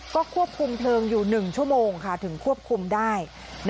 ก็ควบคุมเพลิงอยู่๑ชั่วโมงค่ะถึงควบคุมได้